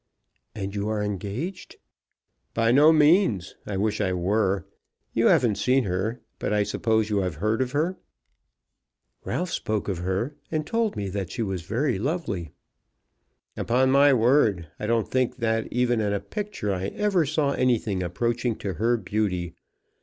"And you are engaged?" "By no means. I wish I were. You haven't seen her, but I suppose you have heard of her?" "Ralph spoke of her, and told me that she was very lovely." "Upon my word, I don't think that even in a picture I ever saw anything approaching to her beauty.